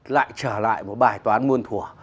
lại trở lại một bài toán nguồn thủa